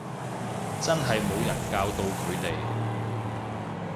真係冇人教到佢哋